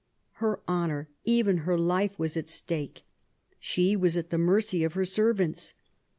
Her honour, even her life, was aj stake. She was at the mercy of her servants.